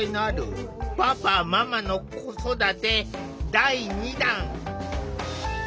第２弾。